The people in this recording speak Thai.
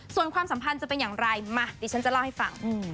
ส่วนความสัมพันธ์จะเป็นอย่างไรมาดิฉันจะเล่าให้ฟัง